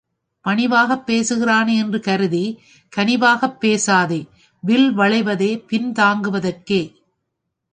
பணிவாகப் பேசுகிறானே என்று கருதிக் கனிவாகப் பேசாதே வில் வளைவதே பின் தாக்குவதற்கே.